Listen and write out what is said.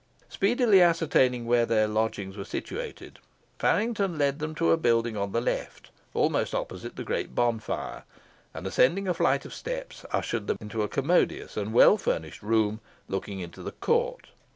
Speedily ascertaining where their lodgings were situated, Faryngton led them to a building on the left, almost opposite to the great bonfire, and, ascending a flight of steps, ushered them into a commodious and well furnished room, looking into the court.